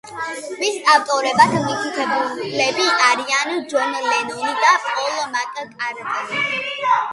მის ავტორებად მითითებულები არიან ჯონ ლენონი და პოლ მაკ-კარტნი.